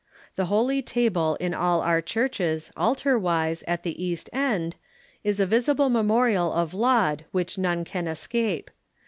.. The Lloly Table in all our churches, altar wise, at the east end, is a visible memorial of Laud which none can escape.